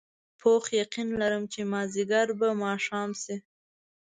پوخ یقین لرم چې مازدیګر به ماښام شي.